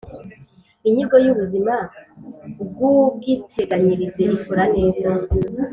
Inyigo y’ ubuzima bw’ ubwiteganyirize ikora neza.